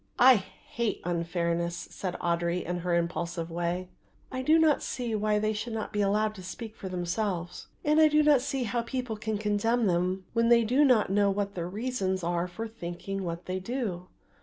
"I hate unfairness," said Audry in her impulsive way. "I do not see why they should not be allowed to speak for themselves, and I do not see how people can condemn them when they do not know what their reasons are for thinking what they do.